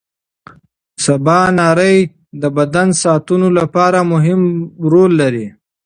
سباناري د بدن ساعتونو لپاره مهمه رول لري.